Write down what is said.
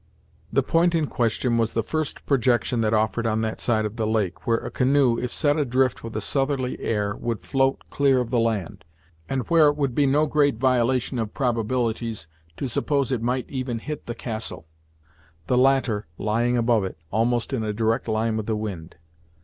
The point in question was the first projection that offered on that side of the lake, where a canoe, if set adrift with a southerly air would float clear of the land, and where it would be no great violation of probabilities to suppose it might even hit the castle; the latter lying above it, almost in a direct line with the wind.